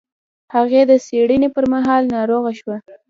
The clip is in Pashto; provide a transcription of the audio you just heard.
هغې د څېړنې پر مهال ناروغه شوه.